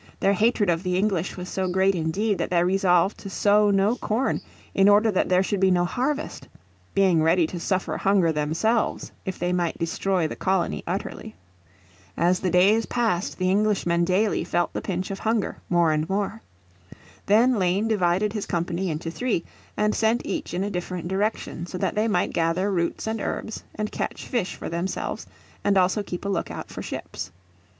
Their hatred of the English was so great indeed that they resolved to sow no corn in order that there should be no harvest; being ready to suffer hunger themselves if they might destroy the colony utterly. As the days passed the Englishmen daily felt the pinch of hunger more and more. Then Lane divided his company into three, and sent each in a different direction so that they might gather roots and herbs and catch fish for themselves, and also keep a lookout for ships.